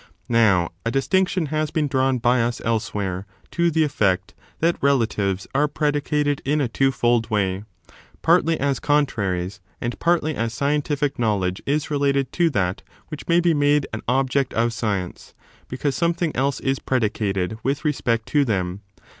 Now, a distinction has been drawn by us elsewhere,^ to the effect that relatives are predicated in a twofold way, — ^partly as contraries, and partly as scientific knowledge is related to that which may be made an object of science, because something else is predicated with respect to them.